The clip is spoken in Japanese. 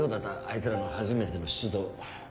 あいつらの初めての出動。